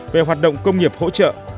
về hoạt động công nghiệp hỗ trợ